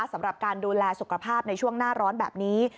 สำหรับการดูแลสุขภาพในช่วงหน้าร้อนแบบนี้